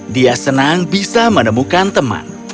dia senang bisa menemukan teman